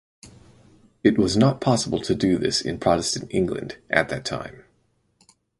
It was not possible to do this in Protestant England at that time.